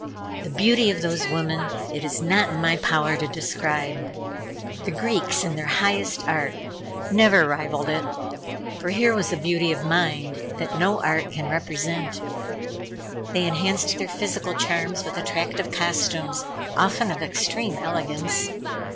The beauty of those women it is not in my power to describe. The Greeks, in their highest art, never rivalled it, for here was a beauty of mind that no art can represent. They enhanced their physical charms with attractive costumes, often of extreme elegance.